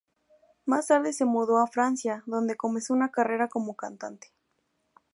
Más tarde se mudó a Francia, donde comenzó una carrera como cantante.